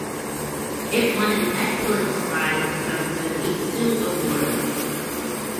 It won an Excellence Prize from Famitsu Awards.